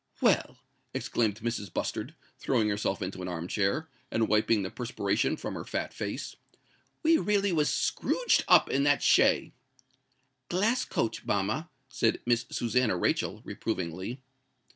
"Well!" exclaimed Mrs. Bustard, throwing herself into an arm chair, and wiping the perspiration from her fat face, "we really was scrooged up in that shay——" "Glass coach, mamma," said Miss Susannah Rachel, reprovingly.